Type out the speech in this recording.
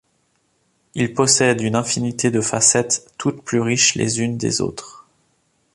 Il possède une infinité de facettes toutes plus riches les unes des autres.